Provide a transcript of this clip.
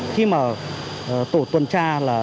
khi mà tổ tuần tra